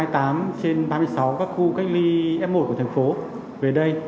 một mươi tám trên ba mươi sáu các khu cách ly f một của thành phố về đây